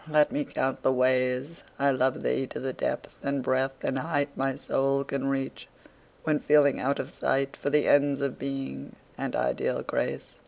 Let me count the ways. I love thee to the depth and breadth and height My soul can reach, when feeling out of sight For the ends of Being and ideal Grace.